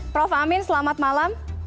prof amin selamat malam